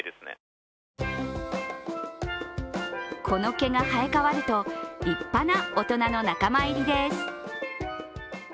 この毛が生えかわると、立派な大人の仲間入りです。